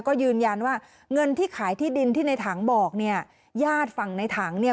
ก็ยืนยันว่าเงินที่ขายที่ดินที่ในถังบอกเนี่ยญาติฝั่งในถังเนี่ย